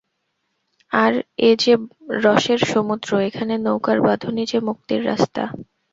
আর এ যে রসের সমুদ্র, এখানে নৌকার বাঁধনই যে মুক্তির রাস্তা।